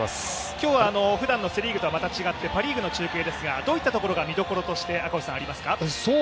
今日はふだんのセ・リーグとはまた違ってパ・リーグの中継ですが、どういったところが見所としてありますか。